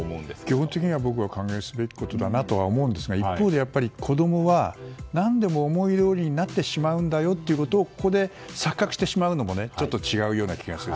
基本的に僕は歓迎すべきことだなと思いますが一方で、子供が何でも思いどおりになってしまうんだよとここで錯覚してしまうのもちょっと違うような気がして。